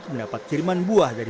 pembangunan durian ekspor